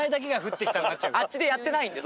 あっちでやってないんで。